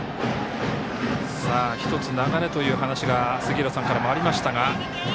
１つ流れという話が杉浦さんからもありましたが。